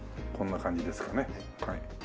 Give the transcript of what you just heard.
こんな感じですかねはい。